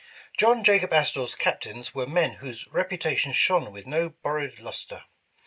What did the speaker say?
John Jacob Astor's Captains were men whose reputa tion shone with no borrowed luster.